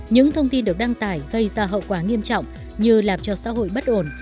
những thông tin được đăng tải gây ra hậu quả nghiêm trọng như làm cho xã hội bất ổn